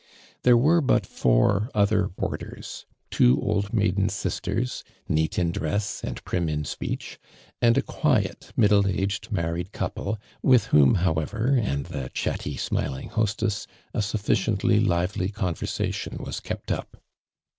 There wore but four other boarilera. Two old maiden .sisters, neat in dress and prim in speech, and a quiet middle aged' married couple, with whom, however, and the cliat ty smiling hostess, a sufficiently lively con versation was kept up.